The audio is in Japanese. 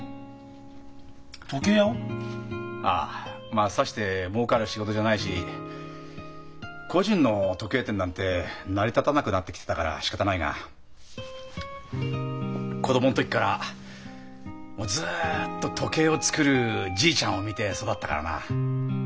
まあさしてもうかる仕事じゃないし個人の時計店なんて成り立たなくなってきてたからしかたないが子供の時からずっと時計を作るじいちゃんを見て育ったからな。